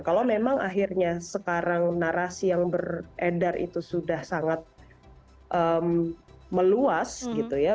kalau memang akhirnya sekarang narasi yang beredar itu sudah sangat meluas gitu ya